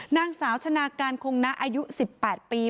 นางสาวชนะการคงนะอายุ๑๘ปี